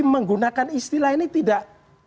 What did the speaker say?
menggunakan istilah ini tidak